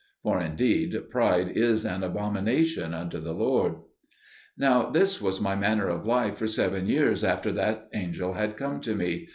'" For indeed pride is an abomination unto the Lord. Now this was my manner of life for seven years after that the angel had come to me.